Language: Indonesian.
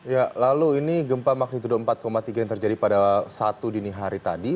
ya lalu ini gempa magnitudo empat tiga yang terjadi pada satu dini hari tadi